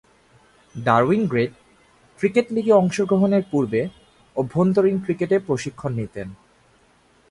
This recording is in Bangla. ডারউইন গ্রেড ক্রিকেট লীগে অংশগ্রহণের পূর্বে অভ্যন্তরীণ ক্রিকেটে প্রশিক্ষণ নিতেন।